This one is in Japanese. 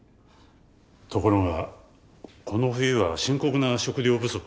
ところがこの冬は深刻な食料不足。